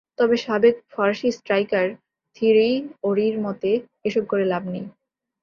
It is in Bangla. তবে সাবেক ফরাসি স্ট্রাইকার থিয়েরি অরির মতে, এসব করে লাভ নেই।